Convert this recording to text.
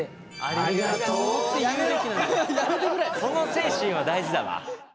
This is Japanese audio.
その精神は大事だわ。